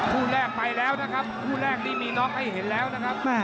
คู่แรกไปแล้วนะครับคู่แรกนี้มีน็อกให้เห็นแล้วนะครับ